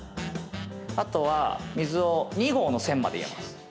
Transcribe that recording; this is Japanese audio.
あとは水を２合の線まで入れます。